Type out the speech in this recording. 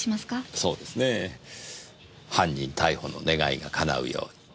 そうですね犯人逮捕の願いが叶うように。